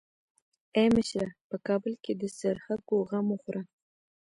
ای مشره په کابل کې د څرخکو غم وخوره.